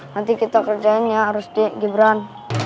nanti kita kerjain ya harus di gibran